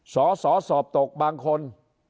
สอสอสอบตกบางคน